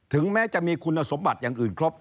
แม้จะมีคุณสมบัติอย่างอื่นครบ